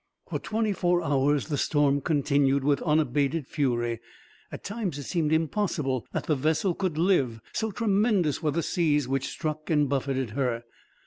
For twenty four hours the storm continued, with unabated fury. At times it seemed impossible that the vessel could live, so tremendous were the seas which struck and buffeted her.